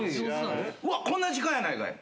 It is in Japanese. うわっこんな時間やないかい！